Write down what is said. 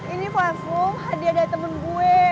ini platform hadiah dari temen gue